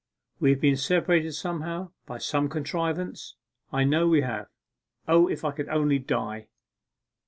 We have been separated somehow by some contrivance I know we have. O, if I could only die!